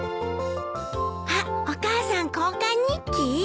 あっお母さん交換日記？